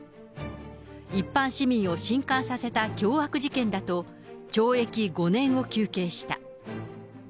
一般市民をしんかんさせた凶悪事件だと、懲役５年を求刑した。